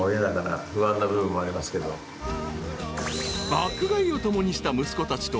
［爆買いを共にした息子たちと］